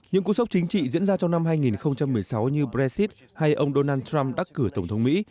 những cú sốc chính trị diễn ra trong năm hai nghìn một mươi sáu như brexit hay ông donald trump đắc cử tổng thống mỹ